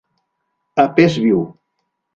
A pes viu.